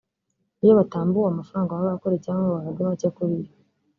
iyo batambuwe amafaranga baba bakoreye cyangwa ngo bahabwe macye kuri yo